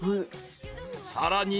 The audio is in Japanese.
［さらに］